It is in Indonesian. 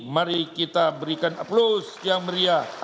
mari kita berikan aplaus yang meriah